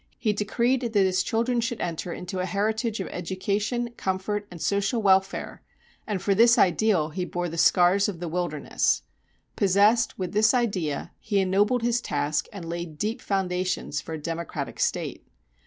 He decreed that his children should enter into a heritage of education, comfort, and social welfare, and for this ideal he bore the scars of the wilderness. Possessed with this idea he ennobled his task and laid deep foundations for a democratic State.